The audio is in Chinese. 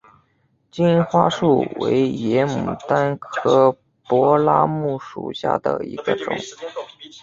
金花树为野牡丹科柏拉木属下的一个种。